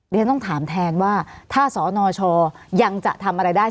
เดี๋ยวต้องถามแทนว่าถ้าสอนอชอยังจะทำอะไรได้